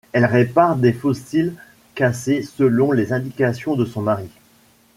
Elle répare des fossiles cassés selon les indications de son mari.